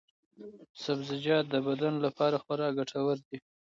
سبزیجات د بدن لپاره خورا ګټور دي.